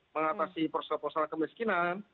mengatasi proses proses kemiskinan